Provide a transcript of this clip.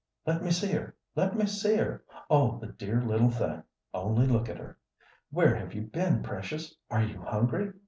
"Let me see her! let me see her! Oh, the dear little thing, only look at her! Where have you been, precious? Are you hungry?